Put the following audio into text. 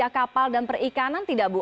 tapi kalau ada kapal dan perikanan tidak bu